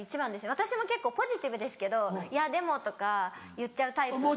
私も結構ポジティブですけど「いやでも」とか言っちゃうタイプなんですよ。